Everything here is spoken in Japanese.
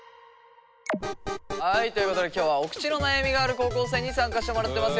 はいということで今日はおくちの悩みがある高校生に参加してもらってます